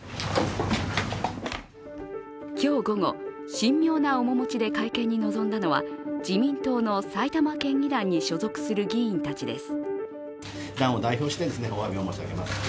今日午後、神妙な面持ちで会見に臨んだのは自民党の埼玉県議団に所属する議員たちです。